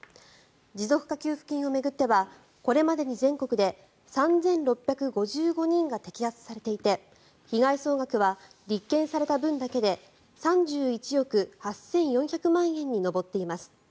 持続化給付金を巡ってはこれまでに全国で３６５５人が摘発されていて被害総額は立件された分だけで３１億８４００万円に上っています。